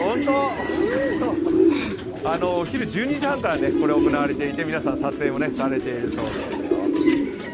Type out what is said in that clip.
お昼１２時半から行われていて皆さん撮影もされているそうですよ。